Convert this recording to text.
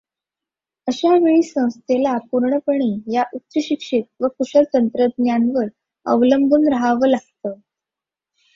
अशा वेळी संस्थेला पूर्णपणे या उच्चशिक्षित व कुशल तंत्रज्ञांवर अवलंबून राहावं लागतं.